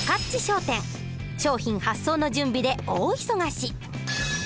商品発送の準備で大忙し。